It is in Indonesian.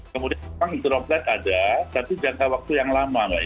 kemudian memang droplet ada tapi jangka waktu yang lama